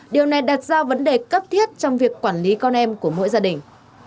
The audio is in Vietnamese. điều này đặt ra vấn đề cấp thiết trong việc quản lý con em của mỗi gia đình